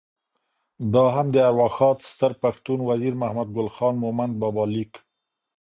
دا هم د ارواښاد ستر پښتون وزیر محمد ګل خان مومند بابا لیک: